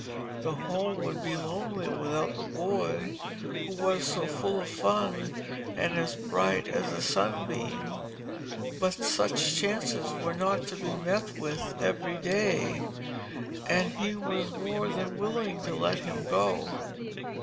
The home would be lonely without the boy who was so full of fun and as bright as a sunbeam. But such chances were not to be met with every day, and he was more than willing to let him go.